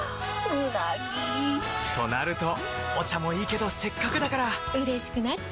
うなぎ！となるとお茶もいいけどせっかくだからうれしくなっちゃいますか！